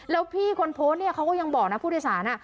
แล้วพี่คนโพสต์เนี่ยเขาก็ยังบอกนะผู้โดยสาร